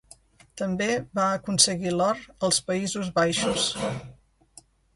També va aconseguir l'or als Països Baixos.